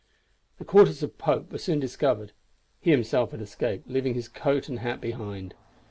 The quarters of Pope were soon discovered; he himself had escaped, leaving his coat and hat behind.